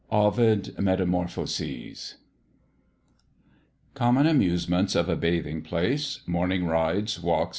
OVID, Metamophoses. AMUSEMENTS. Common Amusements of a Bathing place Morning Rides, Walks, &c.